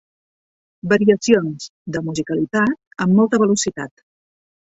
Variacions (de musicalitat) amb molta velocitat